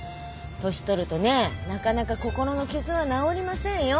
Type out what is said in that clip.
年取るとねなかなか心の傷は治りませんよ？